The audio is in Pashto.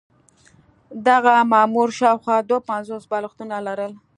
دغه مامور شاوخوا دوه پنځوس بالښتونه لرل.